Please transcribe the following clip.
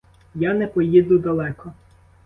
Я не поїду далеко.